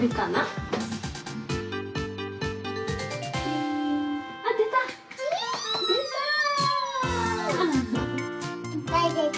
いっぱいでた。